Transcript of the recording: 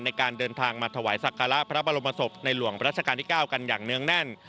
ในการเดินทางมาถวายสักการะพระบรมศพในหลวงรัชกาลที่๙กันอย่างเนื้องแน่น